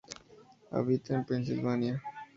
Habita en Pennsylvania.